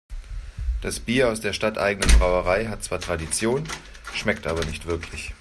Das Bier aus der stadteigenen Brauerei hat zwar Tradition, schmeckt aber nicht wirklich.